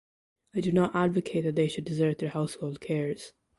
I do not advocate that they should desert their household cares.